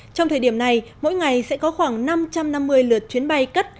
trong thời điểm này mỗi ngày sẽ có khoảng năm trăm năm mươi lượt chuyến bay cất